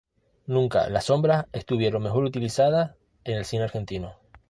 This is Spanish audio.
Nunca las sombras estuvieron mejor utilizadas en el cine argentino.